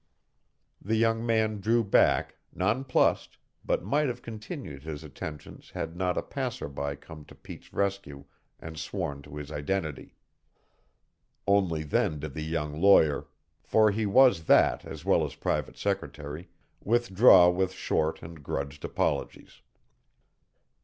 The young man drew back, nonplussed, but might have continued his attentions had not a passer by come to Pete's rescue and sworn to his identity. Only then did the young lawyer for he was that as well as private secretary withdraw with short and grudged apologies.